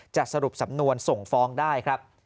สรุปสำนวนส่งฟ้องได้ครับ